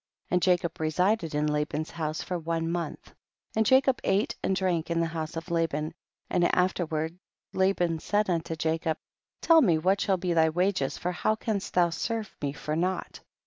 12. And Jacob resided in Laban's house for one month, and Jacob ate and drank in the house of Laban, and afterward Laban said unto Jacob, tell me what shall be thy wages, for how canst thou serve me for nought?